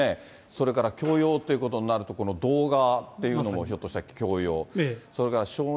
それから強要ということになると、動画っていうのも、ひょっとしたら強要。